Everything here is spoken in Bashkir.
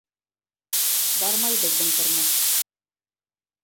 Бармай беҙҙең тормош.